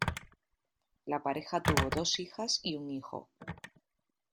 La pareja tuvo dos hijas y un hijo.